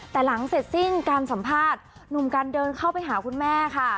แต่หลังเสร็จสิ้นการสัมภาษณ์หนุ่มกันเดินเข้าไปหาคุณแม่ค่ะ